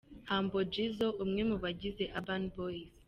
Humble Jizzo umwe mu bagize Urban Boys.